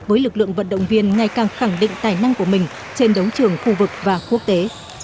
với lực lượng vận động viên ngày càng khẳng định tài năng của mình trên đấu trường khu vực và quốc tế